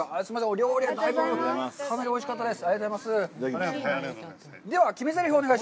お料理もかなりおいしかったです。